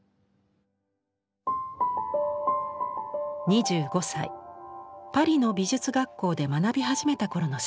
２５歳パリの美術学校で学び始めた頃の作品。